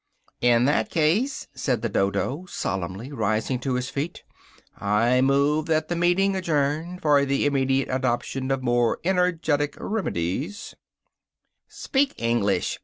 "In that case," said the Dodo solemnly, rising to his feet, "I move that the meeting adjourn, for the immediate adoption of more energetic remedies " "Speak English!"